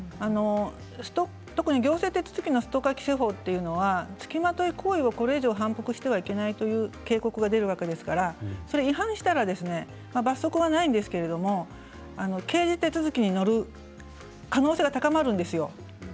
特に行政手続はストーカー規制法というのはつきまとい行為をこれ以上反復してはいけないという警告が出るわけですから違反したら罰則はないんですけど刑事手続になる可能性が高まります。